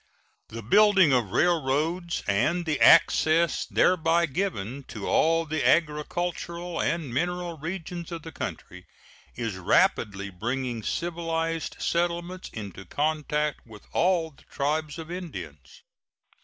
The building of railroads, and the access thereby given to all the agricultural and mineral regions of the country, is rapidly bringing civilized settlements into contact with all the tribes of Indians.